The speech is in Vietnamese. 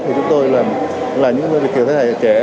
thì chúng tôi là những kiểu thế hệ trẻ